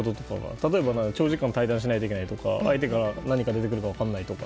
例えば、長時間対談しないといけないとか相手が何してくるか分からないとか。